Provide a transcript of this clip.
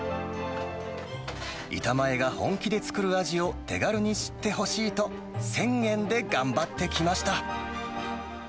板前が本気で作る味を手軽に知ってほしいと、１０００円で頑張ってきました。